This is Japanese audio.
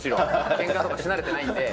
けんかとか、しなれてないんで。